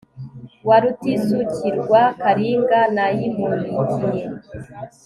wa Rutisukirwa Kalinga nayimulikiye